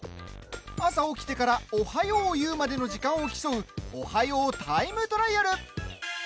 朝、起きてから「おはよう」を言うまでの時間を競う「おはようタイムトライアル」。